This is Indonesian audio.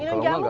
minum jamu pak